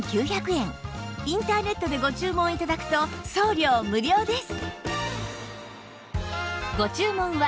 インターネットでご注文頂くと送料無料です